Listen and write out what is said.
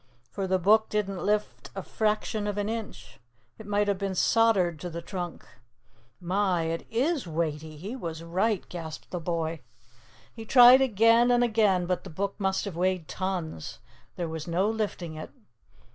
For the Book didn't lift a fraction of an inch. It might have been soldered to the trunk. "My! It is weighty! He was right!" gasped the boy. He tried again, and again; but the book must have weighed tons. There was no lifting it.